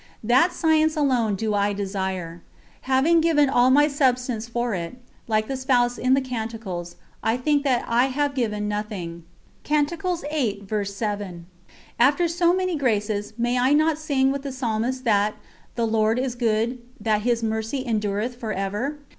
That science alone do I desire. Having given all my substance for it, like the Spouse in the Canticles, "I think that I have given nothing." After so many graces, may I not sing with the Psalmist that "the Lord is good, that His Mercy endureth for ever"?